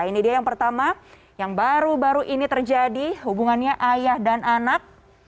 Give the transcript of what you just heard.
ini dia yang pertama yang baru baru ini terjadi hubungannya ayah dan anak